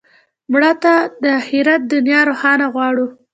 مړه ته د آخرت دنیا روښانه غواړو